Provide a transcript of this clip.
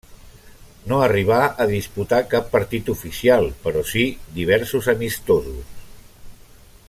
No arribà a disputar cap partit oficial però si diversos amistosos.